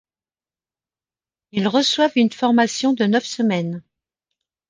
Ils reçoivent une formation de neuf semaines.